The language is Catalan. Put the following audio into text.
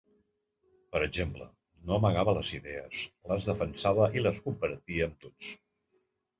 Per exemple, no amagava les idees, les defensava i les compartia amb tots.